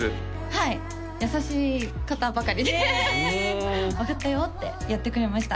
はい優しい方ばかりでへえ「分かったよ」って言ってくれました